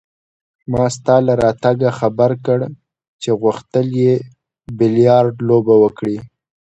ما ستا له راتګه خبر کړ چې غوښتل يې بیلیارډ لوبه وکړي.